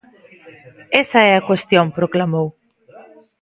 Esa é a cuestión, proclamou.